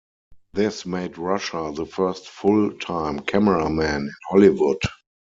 This made Rosher the first full-time cameraman in Hollywood.